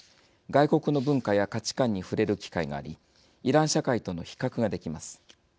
外国の文化や価値観に触れる機会がありイラン社会との比較ができます。